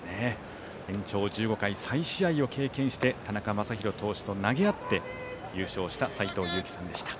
延長１５回再試合を経験して田中将大投手と投げ合って優勝した斎藤佑樹さんでした。